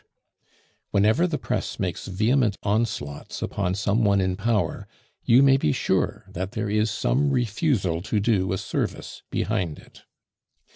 Whenever the press makes vehement onslaughts upon some one in power, you may be sure that there is some refusal to do a service behind it.